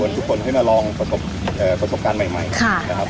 ขอบคุณทุกคนให้มาลองเอ่อประสบการณ์ใหม่ค่ะ